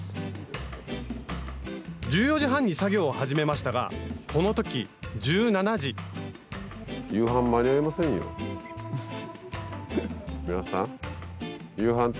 １４時半に作業を始めましたがこの時１７時皆さんアハハハ。